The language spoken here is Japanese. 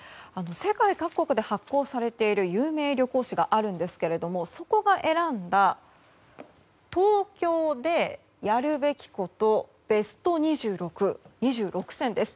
世界各国で発行されている有名旅行誌があるんですがそこが選んだ「東京でやるべきことベスト２６」です。